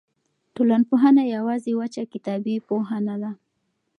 ټولنپوهنه یوازې وچه کتابي پوهه نه ده.